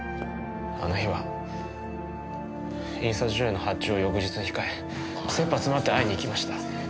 あの日は印刷所への発注を翌日に控え切羽詰まって会いにいきました。